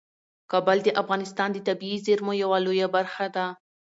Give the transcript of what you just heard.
کابل د افغانستان د طبیعي زیرمو یوه لویه برخه ده.